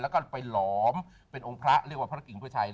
แล้วก็ไปหลอมเป็นองค์พระเรียกว่าพระกิ่งเพื่อชัย